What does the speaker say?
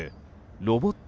ロボット